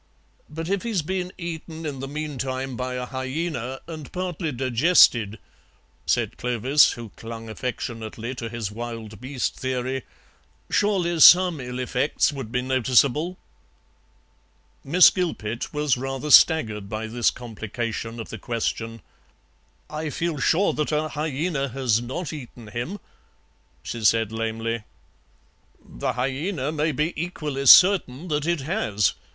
"But if he's been eaten in the meantime by a hyaena and partly digested," said Clovis, who clung affectionately to his wild beast theory, "surely some ill effects would be noticeable?" Miss Gilpet was rather staggered by this complication of the question. "I feel sure that a hyaena has not eaten him," she said lamely. "The hyaena may be equally certain that it has.